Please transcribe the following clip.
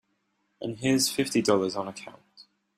And here's fifty dollars on account.